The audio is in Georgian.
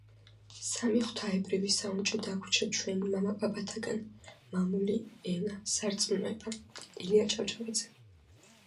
,,სამი ღვთაებრივი საუნჯე დაგვრჩა ჩვენ მამაპაპათაგან - მამული, ენა, სარწმუნოება” ილია ჭავჭავაძე